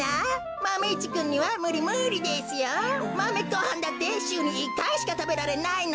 マメごはんだってしゅうに１かいしかたべられないのに。